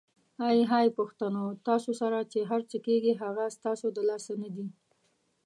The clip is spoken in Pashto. آی های پښتنو ! تاسو سره چې هرڅه کیږي هغه ستاسو د لاسه ندي؟!